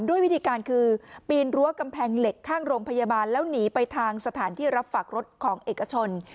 ด้วยวิธีการคือปีนรั้วกำแพงเหล็กข้างโรงพยาบาลแล้วหนีไปทางสถานที่รับฝากรถของเอกชน